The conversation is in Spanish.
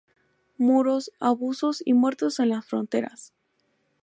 Muros, abusos y muertos en las fronteras.